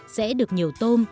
sẽ được nhiều tôm